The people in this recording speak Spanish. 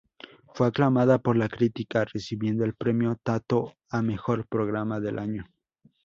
Fue aclamada por la crítica, recibiendo el Premio Tato a Mejor Programa del año.